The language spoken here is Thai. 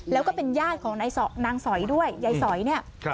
แล้วก็เป็นญาติของนางสอยด้วยยายสอยเนี่ย